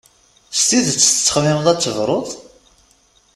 S tidet tettxemmimeḍ ad tebrud?